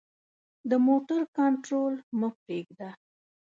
د موټر کنټرول مه پریږده.